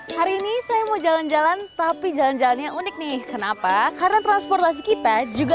hari ini saya mau jalan jalan tapi jalan jalannya unik nih kenapa karena transportasi kita juga